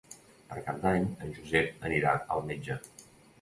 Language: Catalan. Per Cap d'Any en Josep anirà al metge.